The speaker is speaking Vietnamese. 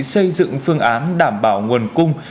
xây dựng phương án đảm bảo nguồn cung